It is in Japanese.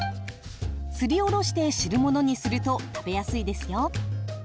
すりおろして汁物にすると食べやすいですよ。